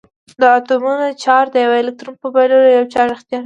د اتومونو چارج د یوه الکترون په بایللو یو چارج اختیاروي.